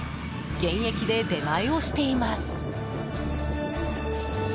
現役で出前をしています。